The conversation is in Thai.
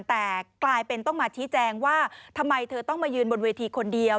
แต่กลายเป็นต้องมาชี้แจงว่าทำไมเธอต้องมายืนบนเวทีคนเดียว